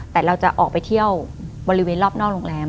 แต่เราจะออกไปเที่ยวบริเวณรอบนอกโรงแรม